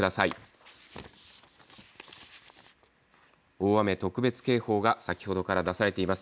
大雨特別警報が先ほどから出されています。